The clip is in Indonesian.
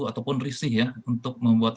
ataupun risih ya untuk membuat